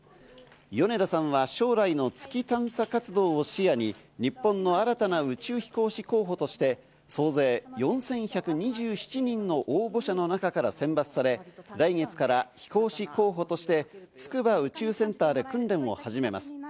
米田さんは将来の月探査活動を視野に、日本の新たな宇宙飛行士候補として、総勢４１２７人の応募者の中から選抜され、来月から飛行士候補として筑波宇宙センターで訓練を始めます。